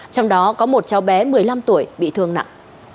trong đó có một cháu bé một mươi năm tuổi bị thương nặng